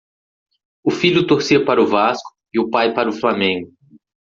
O filho torcia para o Vasco e o pai para o Flamengo